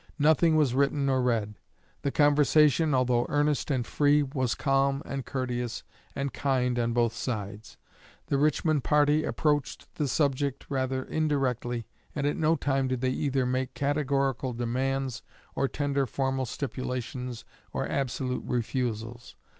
Nothing was written or read. The conversation, although earnest and free, was calm and courteous and kind on both sides. The Richmond party approached the subject rather indirectly, and at no time did they either make categorical demands or tender formal stipulations or absolute refusals.